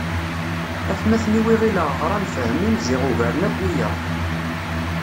Atmaten-iw i ɣileɣ ɣran fehmen ziɣ ugaren akk wiyaḍ.